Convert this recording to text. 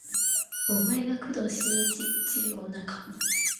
お前が工藤新一っちゅう女か